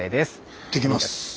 行ってきます！